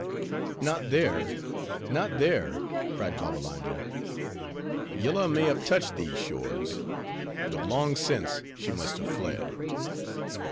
"Not there; not there;" cried Babbalanja, "Yillah may have touched these shores; but long since she must have fled."